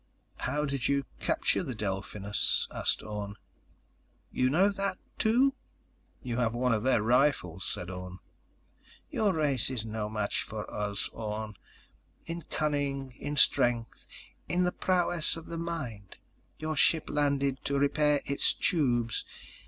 "How did you capture the Delphinus?" asked Orne. "You know that, too?" "You have one of their rifles," said Orne. "Your race is no match for us, Orne ... in cunning, in strength, in the prowess of the mind. Your ship landed to repair its tubes.